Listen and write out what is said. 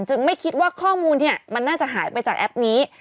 ไม่คิดว่าข้อมูลมันน่าจะหายไปจากแอปนี้